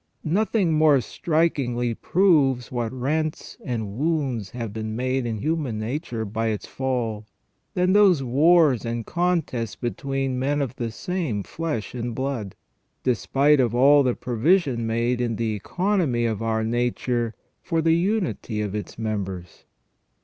Nothing more strikingly proves what rents and wounds have been made in human nature by its fall than those wars and contests between men of the same flesh and blood, despite of all the provision made in the economy of our nature for the unity of its members.